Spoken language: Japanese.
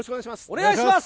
お願いします！